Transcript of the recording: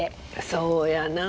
そうやな。